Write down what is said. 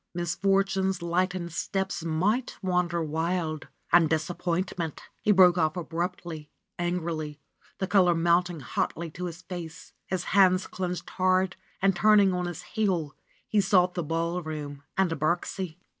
Misfortune's lightened steps might wander wild ; And Disappointment " RENUNCIATION OF FRA SIMONETTA 105 He broke off abruptly, angrily, the color mounting hotly to his face, his hands clenched hard, and, turning on his heel, he sought the ballroom and Birksie.